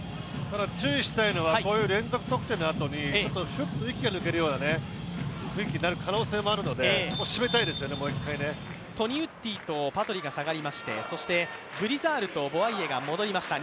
注意したいのはこういう連続得点のあとにひゅっと息が抜けるような雰囲気になる可能性もあるのでそこを締めたいですよね、もう一回トニウッティとパトリが下がりましてそしてブリザールとボワイエが戻りました。